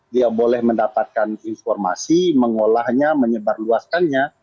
dia boleh mendapatkan informasi mengolahnya menyebarluaskannya